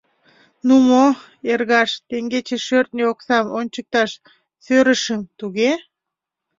— Ну мо, эргаш, теҥгече шӧртньӧ оксам ончыкташ сӧрышым, туге?